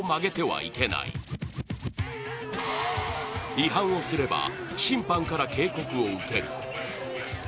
違反をすれば、審判から警告を受ける。